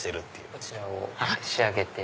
こちらを仕上げて。